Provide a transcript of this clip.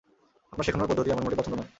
আপনার শেখানোর পদ্ধতি আমার মোটেই পছন্দ নয়।